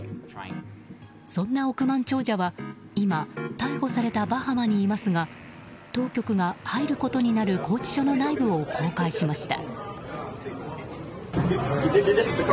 そんな億万長者は今、逮捕されたバハマにいますが当局が入ることになる拘置所の内部を公開しました。